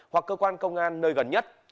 hoặc cơ quan công an nơi gần nhất